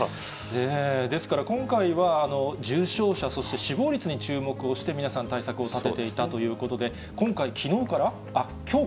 ですから今回は重症者、そして死亡率に注目をして、皆さん、対策を立てていたということで、今回、きょうから。